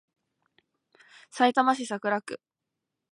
さいたま市桜区